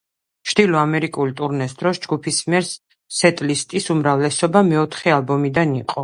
ჩრდილო ამერიკული ტურნეს დროს ჯგუფის მიერ სეტლისტის უმრავლესობა მეოთხე ალბომიდან იყო.